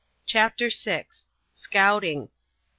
CHAPTER VI. SCOUTING.